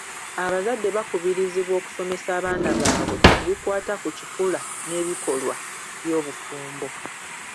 Abazadde bakubirizibwa okusomesa abaana baabwe ku bikwata ku kikula n'ebikolwa by'obufumbo.